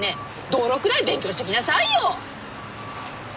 道路くらい勉強しときなさいよ。